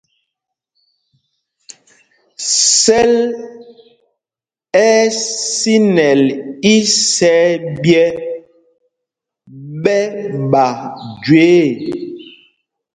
Sɛl ɛ́ ɛ́ sinɛl isɛɛ ɓyɛ́ ɓɛ ɓa jüe ɛ̂.